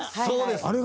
そうです。